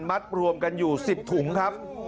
มัดรวมกันอยู่๑๐ถุงครับ